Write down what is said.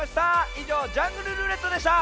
いじょう「ジャングルるーれっと」でした。